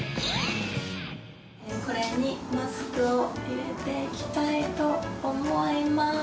これにマスクを入れていきたいと思いまーす。